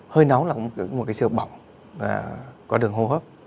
hơi nóng là một sự bỏng có đường hô hấp